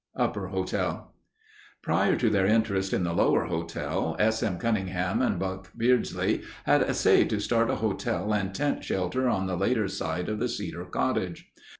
Upper Hotel Prior to their interest in the Lower Hotel, S. M. Cunningham and Buck Beardsley had essayed to start a store and tent shelter on the later site of the Cedar Cottage.